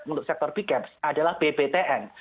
untuk sektor pigaps adalah bbtn